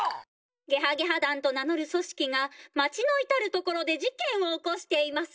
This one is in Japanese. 「ゲハゲハ団と名のるそしきが町のいたる所で事けんを起こしています」。